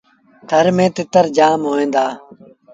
ٿر ميݩ تتر جآم هوئي دو۔